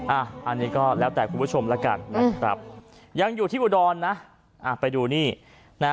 อันนี้ก็แล้วแต่คุณผู้ชมละกันยังอยู่ที่อุดรนไปดูนี่นะ